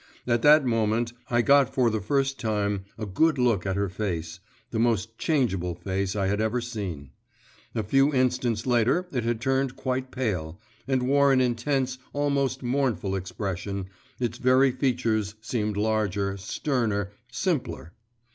At that moment I got for the first time a good look at her face, the most changeable face I had ever seen. A few instants later it had turned quite pale, and wore an intense, almost mournful expression, its very features seemed larger, sterner, simpler.